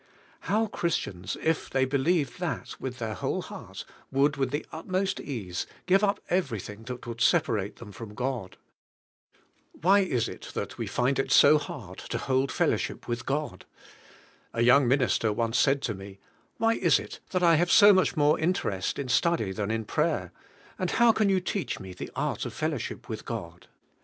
How Christians, if they believed that with their whole heart, would, Vv'ith the utmost ease, give up everything that would separate them from God ! Why is it that we find it so hard to hold fellow ship with God? A young minister once said to me, "Why is it that I have so much more interest in study than in pra3^er, and how can you teach me the art of fellowship with God?"